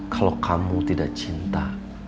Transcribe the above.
kalau kamu tidak cinta